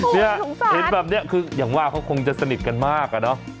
นี่และแบบนี้คืออย่างน้อยว่าเขาคงจะสนิทกันมาก